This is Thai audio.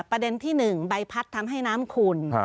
ประเด็นที่หนึ่งใบพัดทำให้น้ำคูณ